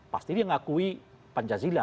pasti dia mengakui pancasila